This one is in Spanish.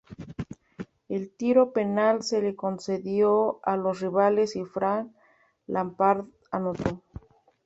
El tiro penal se le concedió a los rivales y Frank Lampard anotó.